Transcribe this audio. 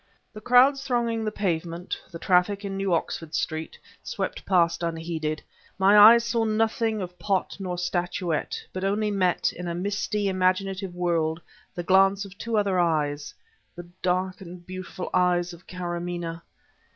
The crowds thronging the Pavement, the traffic in New Oxford Street, swept past unheeded; my eyes saw nothing of pot nor statuette, but only met, in a misty imaginative world, the glance of two other eyes the dark and beautiful eyes of Karamaneh.